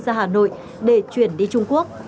ra hà nội để chuyển đi trung quốc